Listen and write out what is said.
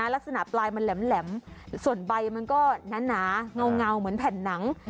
ลักษณะปลายมันแหลมส่วนใบมันก็หนาเงาเหมือนแผ่นหนัง